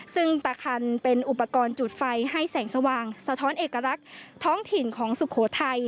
ซึ่งตะคันเป็นอุปกรณ์จุดไฟให้แสงสว่างสะท้อนเอกลักษณ์ท้องถิ่นของสุโขทัย